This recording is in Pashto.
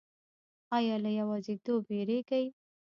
ایا له یوازیتوب ویریږئ؟